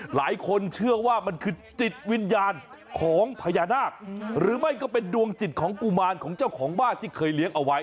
หลายคนเชื่อว่ามันคือจิตวิญญาณของพญานาคหรือไม่ก็เป็นดวงจิตของกุมารของเจ้าของบ้านที่เคยเลี้ยงเอาไว้